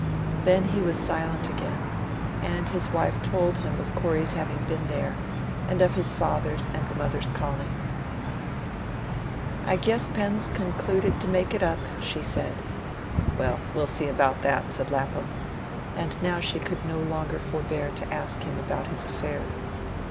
Then he was silent again, and his wife told him of Corey's having been there, and of his father's and mother's calling. "I guess Pen's concluded to make it up," she said. "Well, we'll see about that," said Lapham; and now she could no longer forbear to ask him about his affairs.